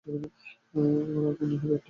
আর ওই ফোনের ব্যাপারটা?